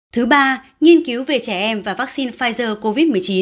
thứ ba nghiên cứu về trẻ em và vaccine pfizer covid một mươi chín